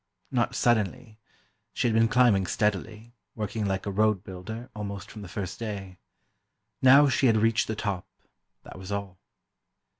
Not suddenly: she had been climbing steadily, working like a road builder, almost from the first day. Now she had reached the top, that was all.